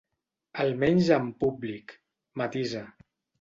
Almenys en públic, matisa.